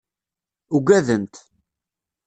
Ugadent.